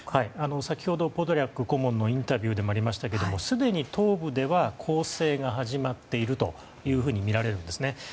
先ほどポドリャク顧問のインタビューでもありましたがすでに東部での攻勢が始まっているというふうにみられるんですね。